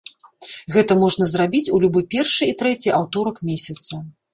Гэта можна зрабіць у любы першы і трэці аўторак месяца.